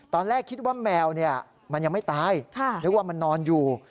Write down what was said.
ตอนแรกคิดว่าแมวมันยังไม่ตายนึกว่ามันนอนอยู่